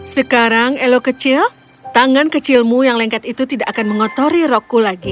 sekarang elo kecil tangan kecilmu yang lengket itu tidak akan mengotori rokku lagi